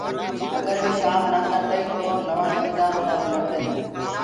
اگر وي ڪآم نآ ڪردآهيٚنٚ تو نوآ جميدآر اُنآ دي لڙدآ هينٚ۔